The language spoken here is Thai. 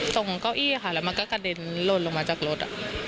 เก้าอี้ค่ะแล้วมันก็กระเด็นหล่นลงมาจากรถ